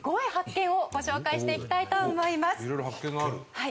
はい。